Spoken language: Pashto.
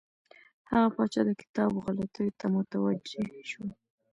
هغه پاچا د کتاب غلطیو ته متوجه شو.